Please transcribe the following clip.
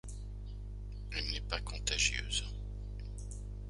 Elle n'est pas contagieuse.